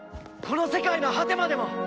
この世界の果てまでも！